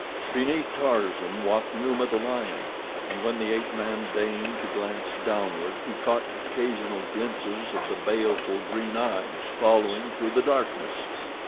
Beneath Tarzan walked Numa, the lion, and when the ape man deigned to glance downward he caught occasional glimpses of the baleful green eyes following through the darkness.